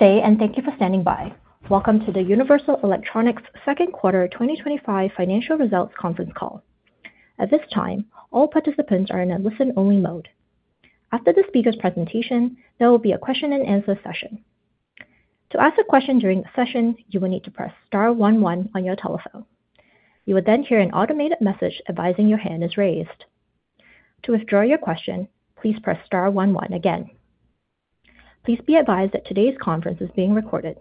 Today, and thank you for standing by, welcome to the Universal Electronics Second Quarter 2025 Financial Results Conference Call. At this time, all participants are in a listen-only mode. After the speaker's presentation, there will be a question and answer session. To ask a question during the session, you will need to press *11 on your telephone. You will then hear an automated message advising your hand is raised. To withdraw your question, please press *11 again. Please be advised that today's conference is being recorded.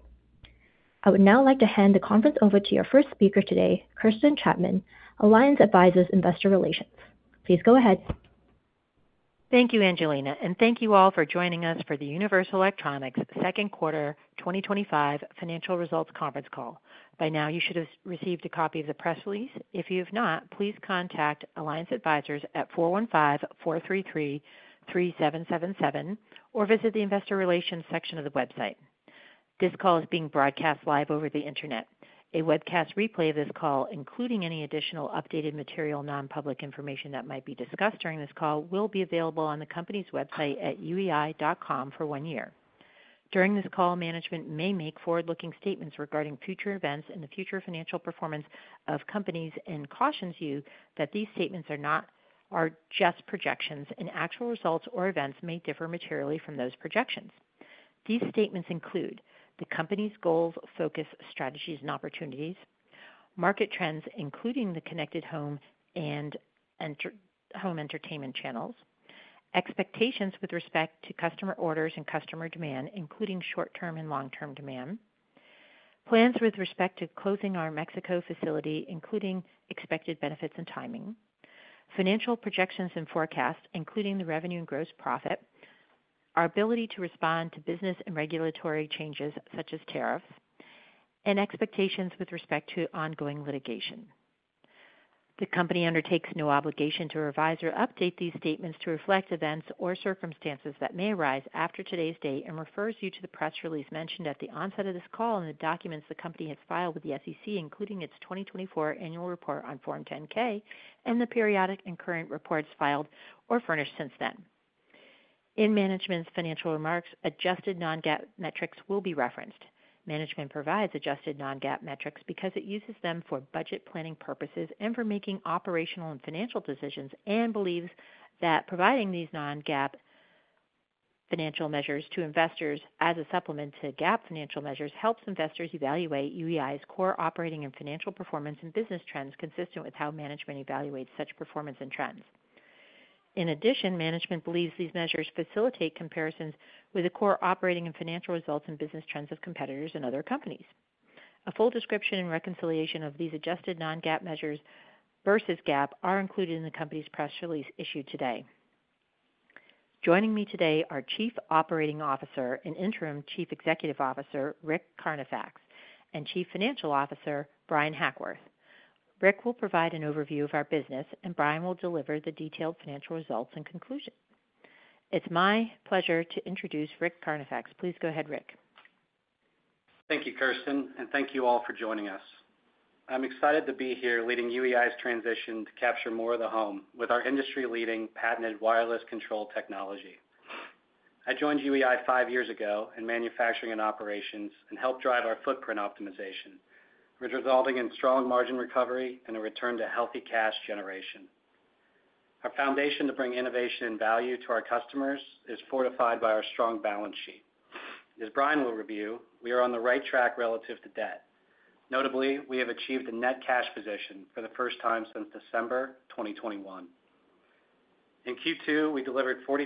I would now like to hand the conference over to our first speaker today, Kirsten Chapman, Alliance Advisors Investor Relations. Please go ahead. Thank you, Angelina, and thank you all for joining us for the Universal Electronics Second Quarter 2025 Financial Results Conference Call. By now, you should have received a copy of the press release. If you have not, please contact Alliance Advisors at 415-433-3777 or visit the Investor Relations section of the website. This call is being broadcast live over the internet. A webcast replay of this call, including any additional updated material, non-public information that might be discussed during this call, will be available on the company's website at uei.com for one year. During this call, management may make forward-looking statements regarding future events and the future financial performance of companies and cautions you that these statements are not just projections and actual results or events may differ materially from those projections. These statements include the company's goals, focus, strategies, and opportunities, market trends, including the connected home and home entertainment channels, expectations with respect to customer orders and customer demand, including short-term and long-term demand, plans with respect to closing our Mexico facility, including expected benefits and timing, financial projections and forecasts, including the revenue and gross profit, our ability to respond to business and regulatory changes, such as tariffs, and expectations with respect to ongoing litigation. The company undertakes no obligation to revise or update these statements to reflect events or circumstances that may arise after today's date and refers you to the press release mentioned at the onset of this call and the documents the company has filed with the SEC, including its 2024 annual report on Form 10-K and the periodic and current reports filed or furnished since then. In management's financial remarks, adjusted non-GAAP metrics will be referenced. Management provides adjusted non-GAAP metrics because it uses them for budget planning purposes and for making operational and financial decisions and believes that providing these non-GAAP financial measures to investors as a supplement to GAAP financial measures helps investors evaluate UEI's core operating and financial performance and business trends consistent with how management evaluates such performance and trends. In addition, management believes these measures facilitate comparisons with the core operating and financial results and business trends of competitors and other companies. A full description and reconciliation of these adjusted non-GAAP measures versus GAAP are included in the company's press release issued today. Joining me today are Chief Operating Officer and Interim Chief Executive Officer Rick Carnifax and Chief Financial Officer Bryan Hackworth. Rick will provide an overview of our business, and Bryan will deliver the detailed financial results and conclusion. It's my pleasure to introduce Rick Carnifax. Please go ahead, Rick. Thank you, Kirsten, and thank you all for joining us. I'm excited to be here leading UEI's transition to capture more of the home with our industry-leading patented wireless control technology. I joined UEI five years ago in manufacturing and operations and helped drive our footprint optimization, resulting in strong margin recovery and a return to healthy cash generation. Our foundation to bring innovation and value to our customers is fortified by our strong balance sheet. As Bryan will review, we are on the right track relative to debt. Notably, we have achieved a net cash position for the first time since December 2021. In Q2, we delivered 46%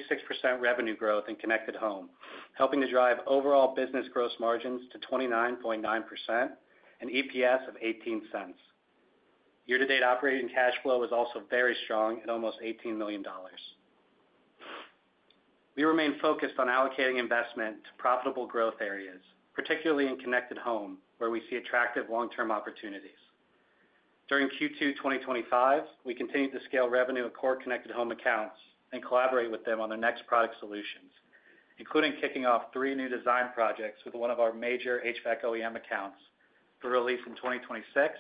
revenue growth in connected home, helping to drive overall business gross margins to 29.9% and EPS of $0.18. Year-to-date operating cash flow is also very strong at almost $18 million. We remain focused on allocating investment to profitable growth areas, particularly in connected home, where we see attractive long-term opportunities. During Q2 2025, we continue to scale revenue in core connected home accounts and collaborate with them on the next product solutions, including kicking off three new design projects with one of our major HVAC OEM accounts for release in 2026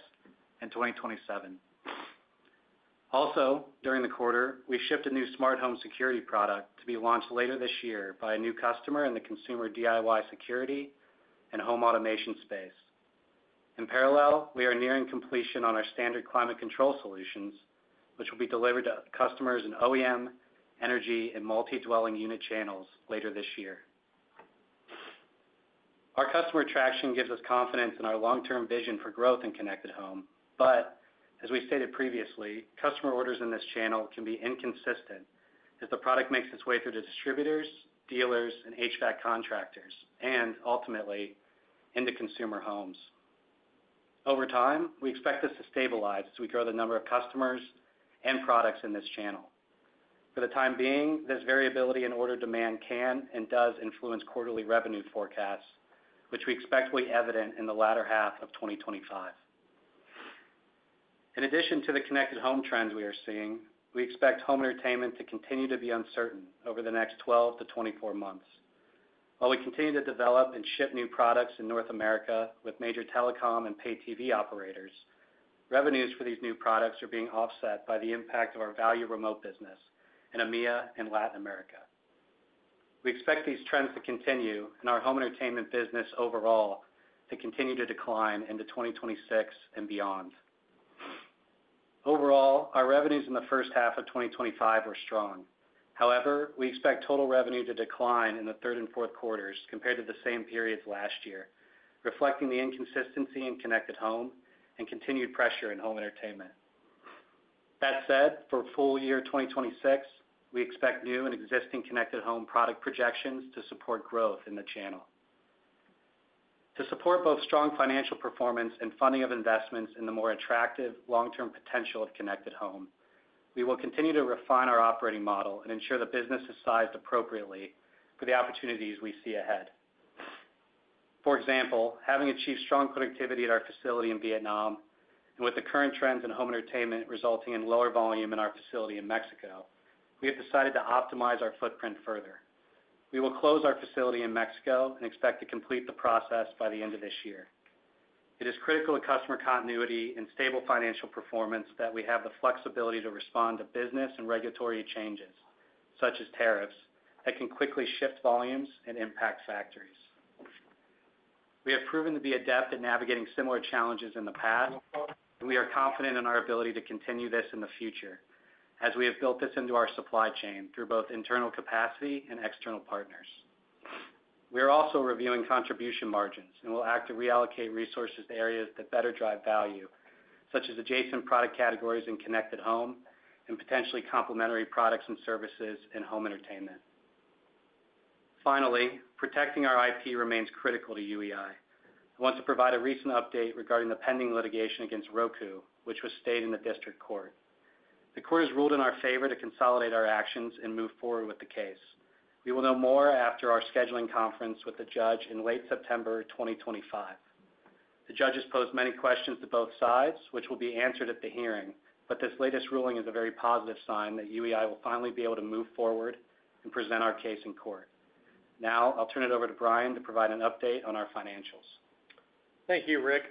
and 2027. Also, during the quarter, we shipped a new smart home security product to be launched later this year by a new customer in the consumer DIY security and home automation space. In parallel, we are nearing completion on our standard climate control solutions, which will be delivered to customers in OEM, energy, and multi-dwelling unit channels later this year. Our customer traction gives us confidence in our long-term vision for growth in connected home. As we stated previously, customer orders in this channel can be inconsistent as the product makes its way through the distributors, dealers, and HVAC contractors, and ultimately into consumer homes. Over time, we expect this to stabilize as we grow the number of customers and products in this channel. For the time being, this variability in order demand can and does influence quarterly revenue forecasts, which we expect will be evident in the latter half of 2025. In addition to the connected home trends we are seeing, we expect home entertainment to continue to be uncertain over the next 12-24 months. While we continue to develop and ship new products in North America with major telecom and pay-TV operators, revenues for these new products are being offset by the impact of our value remote business in EMEA and Latin America. We expect these trends to continue in our home entertainment business overall to continue to decline into 2026 and beyond. Overall, our revenues in the first half of 2025 were strong. However, we expect total revenue to decline in the third and fourth quarters compared to the same periods last year, reflecting the inconsistency in connected home and continued pressure in home entertainment. That said, for full year 2026, we expect new and existing connected home product projections to support growth in the channel. To support both strong financial performance and funding of investments in the more attractive long-term potential of connected home, we will continue to refine our operating model and ensure the business is sized appropriately for the opportunities we see ahead. For example, having achieved strong productivity at our facility in Vietnam and with the current trends in home entertainment resulting in lower volume in our facility in Mexico, we have decided to optimize our footprint further. We will close our facility in Mexico and expect to complete the process by the end of this year. It is critical to customer continuity and stable financial performance that we have the flexibility to respond to business and regulatory changes, such as tariffs, that can quickly shift volumes and impact factories. We have proven to be adept at navigating similar challenges in the past, and we are confident in our ability to continue this in the future as we have built this into our supply chain through both internal capacity and external partners. We are also reviewing contribution margins and will act to reallocate resources to areas that better drive value, such as adjacent product categories in connected home and potentially complementary products and services in home entertainment. Finally, protecting our intellectual property remains critical to UEI. I want to provide a recent update regarding the pending litigation against Roku, which was stayed in the district court. The court has ruled in our favor to consolidate our actions and move forward with the case. We will know more after our scheduling conference with the judge in late September 2025. The judge has posed many questions to both sides, which will be answered at the hearing. This latest ruling is a very positive sign that UEI will finally be able to move forward and present our case in court. Now, I'll turn it over to Bryan to provide an update on our financials. Thank you, Rick.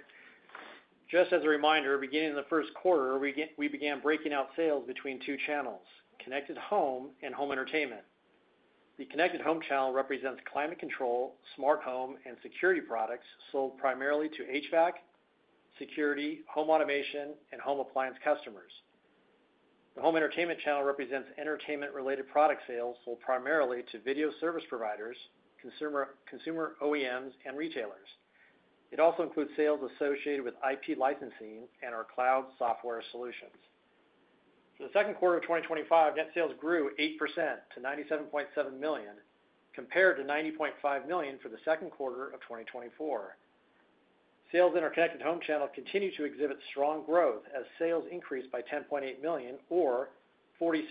Just as a reminder, beginning the first quarter, we began breaking out sales between two channels: connected home and home entertainment. The connected home channel represents climate control, smart home, and security products sold primarily to HVAC, security, home automation, and home appliance customers. The home entertainment channel represents entertainment-related product sales sold primarily to video service providers, consumer OEMs, and retailers. It also includes sales associated with intellectual property licensing and our cloud-based software solutions. For the second quarter of 2025, net sales grew 8% to $97.7 million compared to $90.5 million for the second quarter of 2024. Sales in our connected home channel continue to exhibit strong growth as sales increased by $10.8 million or 46%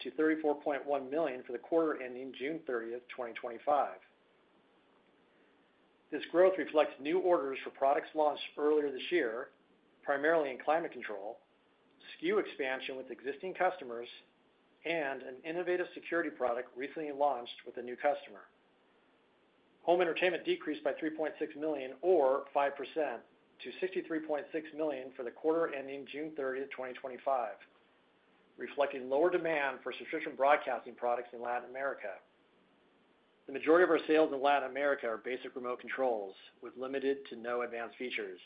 to $34.1 million for the quarter ending June 30th, 2025. This growth reflects new orders for products launched earlier this year, primarily in climate control, SKU expansion with existing customers, and an innovative security product recently launched with a new customer. Home entertainment decreased by $3.6 million or 5% to $63.6 million for the quarter ending June 30th, 2025, reflecting lower demand for subscription broadcasting products in Latin America. The majority of our sales in Latin America are basic remote controls with limited to no advanced features.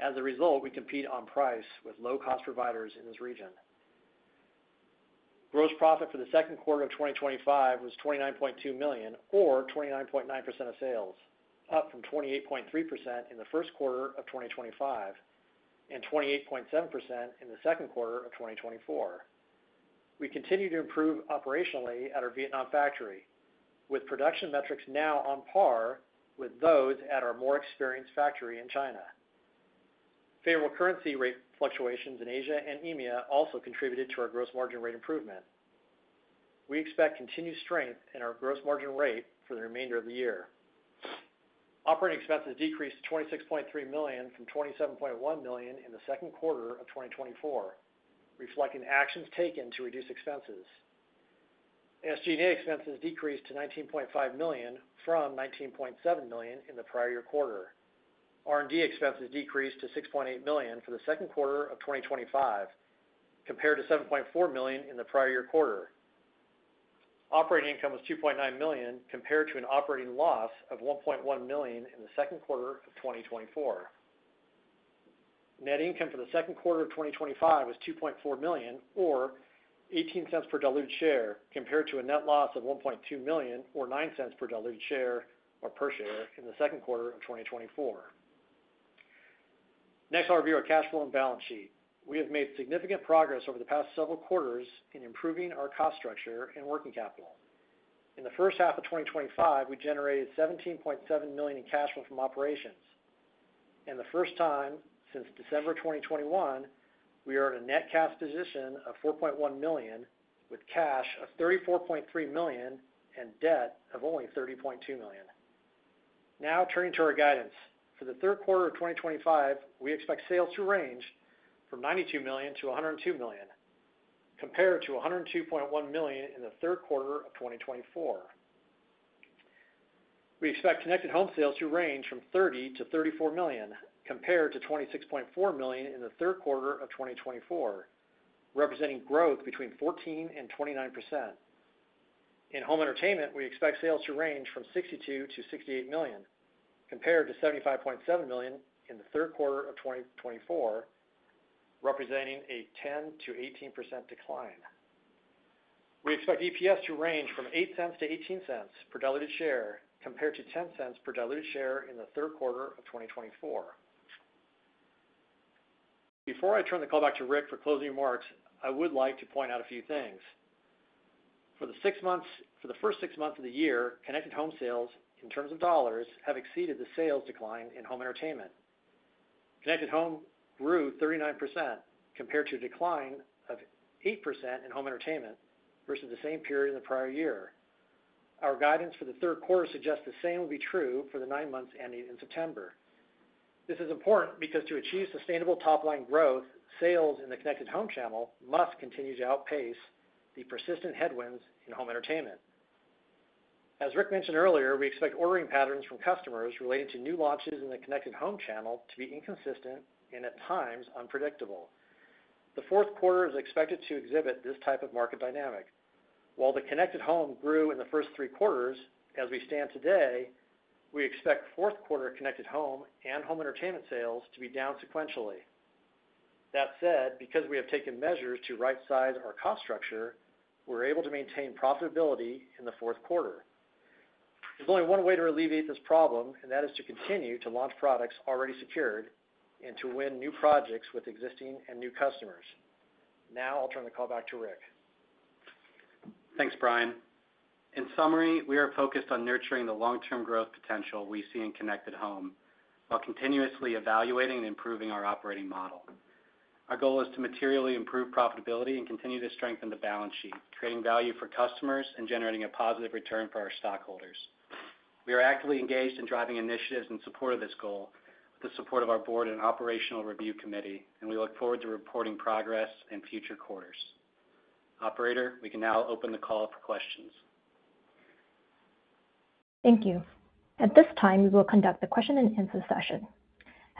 As a result, we compete on price with low-cost providers in this region. Gross profit for the second quarter of 2025 was $29.2 million or 29.9% of sales, up from 28.3% in the first quarter of 2025 and 28.7% in the second quarter of 2024. We continue to improve operationally at our Vietnam factory, with production metrics now on par with those at our more experienced factory in China. Favorable currency rate fluctuations in Asia and EMEA also contributed to our gross margin rate improvement. We expect continued strength in our gross margin rate for the remainder of the year. Operating expenses decreased to $26.3 million from $27.1 million in the second quarter of 2024, reflecting actions taken to reduce expenses. SG&A expenses decreased to $19.5 million from $19.7 million in the prior year quarter. R&D expenses decreased to $6.8 million for the second quarter of 2025, compared to $7.4 million in the prior year quarter. Operating income was $2.9 million compared to an operating loss of $1.1 million in the second quarter of 2024. Net income for the second quarter of 2025 was $2.4 million or $0.18 per diluted share, compared to a net loss of $1.2 million or $0.09 per diluted share in the second quarter of 2024. Next, I'll review our cash flow and balance sheet. We have made significant progress over the past several quarters in improving our cost structure and working capital. In the first half of 2025, we generated $17.7 million in cash flow from operations. For the first time since December 2021, we are in a net cash position of $4.1 million with cash of $34.3 million and debt of only $30.2 million. Now, turning to our guidance. For the third quarter of 2025, we expect sales to range from $92 million-$102 million, compared to $102.1 million in the third quarter of 2024. We expect connected home sales to range from $30 million-$34 million, compared to $26.4 million in the third quarter of 2024, representing growth between 14% and 29%. In home entertainment, we expect sales to range from $62 million-$68 million, compared to $75.7 million in the third quarter of 2024, representing a 10% to 18% decline. We expect EPS to range from $0.08-$0.18 per diluted share, compared to $0.10 per diluted share in the third quarter of 2024. Before I turn the call back to Rick for closing remarks, I would like to point out a few things. For the first six months of the year, connected home sales in terms of dollars have exceeded the sales decline in home entertainment. Connected home grew 39%, compared to a decline of 8% in home entertainment versus the same period in the prior year. Our guidance for the third quarter suggests the same will be true for the nine months ending in September. This is important because to achieve sustainable top-line growth, sales in the connected home channel must continue to outpace the persistent headwinds in home entertainment. As Rick mentioned earlier, we expect ordering patterns from customers related to new launches in the connected home channel to be inconsistent and at times unpredictable. The fourth quarter is expected to exhibit this type of market dynamic. While the connected home grew in the first three quarters, as we stand today, we expect fourth quarter connected home and home entertainment sales to be down sequentially. That said, because we have taken measures to right-size our cost structure, we're able to maintain profitability in the fourth quarter. There's only one way to alleviate this problem, and that is to continue to launch products already secured and to win new projects with existing and new customers. Now, I'll turn the call back to Rick. Thanks, Bryan. In summary, we are focused on nurturing the long-term growth potential we see in connected home while continuously evaluating and improving our operating model. Our goal is to materially improve profitability and continue to strengthen the balance sheet, creating value for customers and generating a positive return for our stockholders. We are actively engaged in driving initiatives in support of this goal, with the support of our Board and Operational Review Committee, and we look forward to reporting progress in future quarters. Operator, we can now open the call for questions. Thank you. At this time, we will conduct the question and answer session.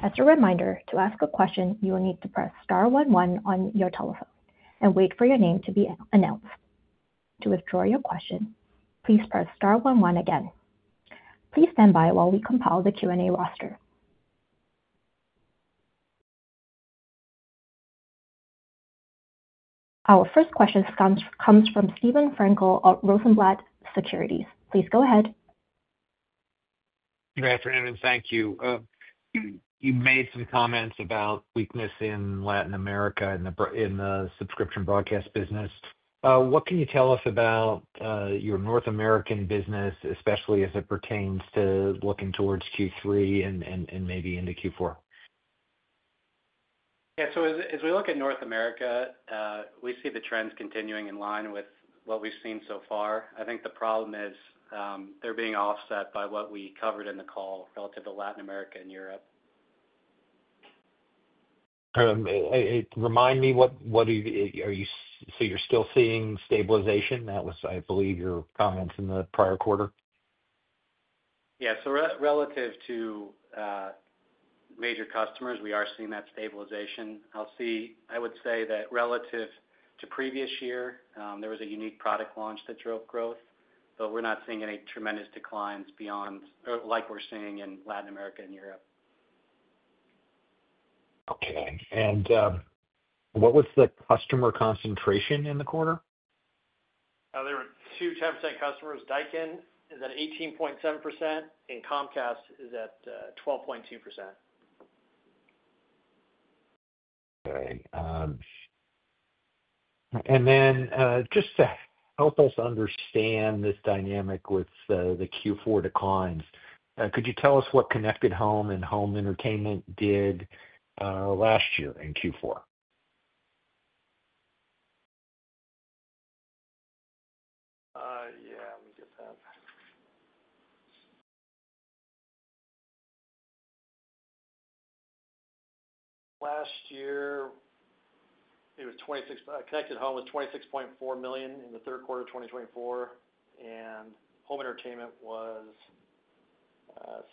As a reminder, to ask a question, you will need to press *11 on your telephone and wait for your name to be announced. To withdraw your question, please press *11 again. Please stand by while we compile the Q&A roster. Our first question comes from Steven Frankel of Rosenblatt Securities. Please go ahead. Good afternoon, and thank you. You made some comments about weakness in Latin America in the subscription broadcast business. What can you tell us about your North American business, especially as it pertains to looking towards Q3 and maybe into Q4? As we look at North America, we see the trends continuing in line with what we've seen so far. I think the problem is they're being offset by what we covered in the call relative to Latin America and Europe. Remind me, what are you? You're still seeing stabilization. That was, I believe, your comments in the prior quarter. Yeah, so relative to major customers, we are seeing that stabilization. I would say that relative to previous year, there was a unique product launch that drove growth, but we're not seeing any tremendous declines beyond, or like we're seeing in Latin America and EMEA. Okay, what was the customer concentration in the quarter? There were two 10% customers. Daikin is at 18.7% and Comcast is at 12.2%. All right. Just to help us understand this dynamic with the Q4 declines, could you tell us what connected home and home entertainment did last year in Q4? Let me get that. Last year, it was connected home with $26.4 million in the third quarter of 2024, and home entertainment was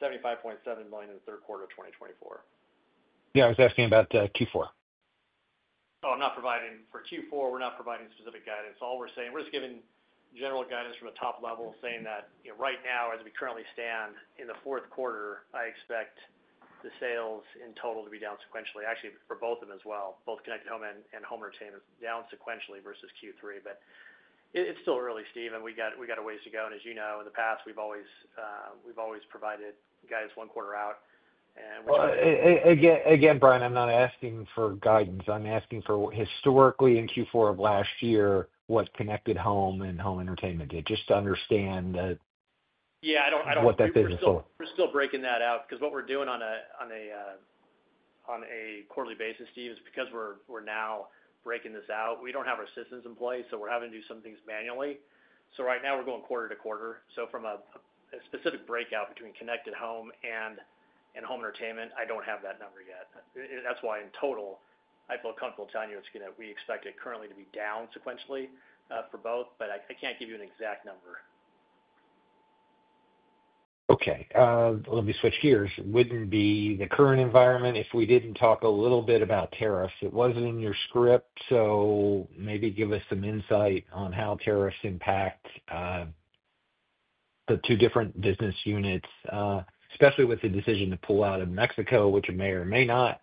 $75.7 million in the third quarter of 2024. Yeah, I was asking about Q4. Oh, not providing for Q4. We're not providing specific guidance. All we're saying, we're just giving general guidance from the top level, saying that, you know, right now, as we currently stand in the fourth quarter, I expect the sales in total to be down sequentially, actually for both of them as well, both connected home and home entertainment, down sequentially versus Q3. It's still early, Steven. We got a ways to go. As you know, in the past, we've always provided guidance one quarter out. Again, Bryan, I'm not asking for guidance. I'm asking for historically in Q4 of last year, what connected home and home entertainment did, just to understand. Yeah, I don't. What that figure is sold. We're still breaking that out because what we're doing on a quarterly basis, Steve, is because we're now breaking this out. We don't have our systems in place, so we're having to do some things manually. Right now, we're going quarter to quarter. From a specific breakout between connected home and home entertainment, I don't have that number yet. That's why in total, I feel comfortable telling you it's going to, we expect it currently to be down sequentially for both, but I can't give you an exact number. Okay. Let me switch gears. Wouldn't be the current environment if we didn't talk a little bit about tariffs. It wasn't in your script, so maybe give us some insight on how tariffs impact the two different business units, especially with the decision to pull out of Mexico, which may or may not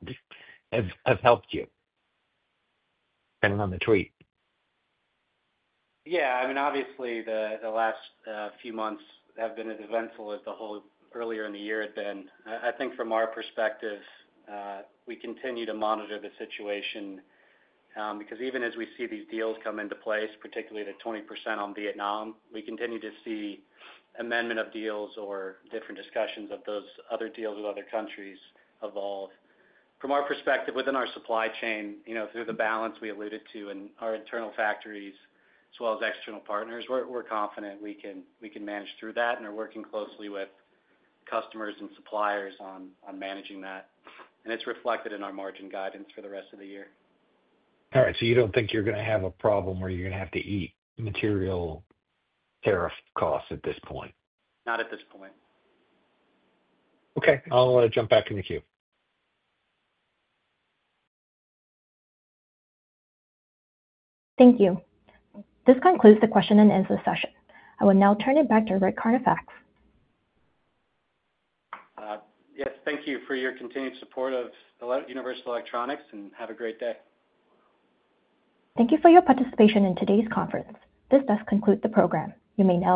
have helped you, depending on the tweet. Yeah, I mean, obviously, the last few months have been as eventful as the whole earlier in the year had been. I think from our perspective, we continue to monitor the situation because even as we see these deals come into place, particularly the 20% on Vietnam, we continue to see amendment of deals or different discussions of those other deals with other countries evolve. From our perspective, within our supply chain, through the balance we alluded to in our internal factories, as well as external partners, we're confident we can manage through that and are working closely with customers and suppliers on managing that. It's reflected in our margin guidance for the rest of the year. All right, so you don't think you're going to have a problem where you're going to have to eat material tariff costs at this point? Not at this point. Okay, I'll jump back in the queue. Thank you. This concludes the question and answer session. I will now turn it back to Rick Carnifax. Yes, thank you for your continued support of Universal Electronics and have a great day. Thank you for your participation in today's conference. This does conclude the program. You may now.